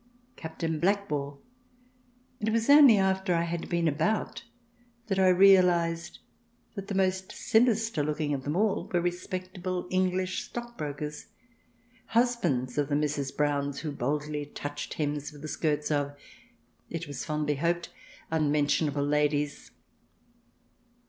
Captain CH. VII] PRINCES AND PRESCRIPTIONS 97 Blackball — and it was only after I had been about that I realized that the most sinister looking of them all were respectable English stockbrokers, husbands^ of the Mrs. Browns who boldly touched hems with the skirts of, it was fondly hoped, un mentionable ladies.